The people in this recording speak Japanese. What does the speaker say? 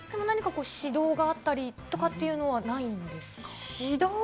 何か指導があったりとかっていうのはないんですか？